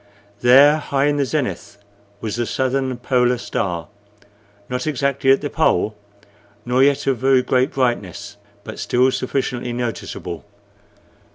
There, high in the zenith, was the southern polar star, not exactly at the pole, nor yet of very great brightness, but still sufficiently noticeable.